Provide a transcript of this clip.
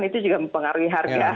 itu juga mempengaruhi harga